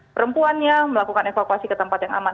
perempuannya melakukan evakuasi ke tempat yang aman